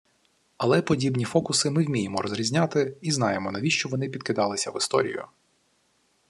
Але подібні фокуси ми вміємо розрізняти, і знаємо, навіщо вони підкидалися в історію